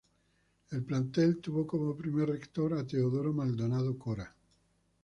El plantel tuvo como primer rector a Teodoro Maldonado Cora.